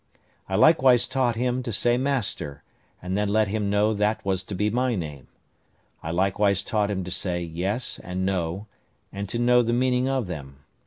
I likewise taught him to say Master; and then let him know that was to be my name; I likewise taught him to say Yes and No and to know the meaning of them.